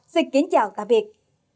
xin kính chào tạm biệt